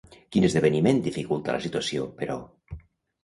Quin esdeveniment dificulta la situació, però?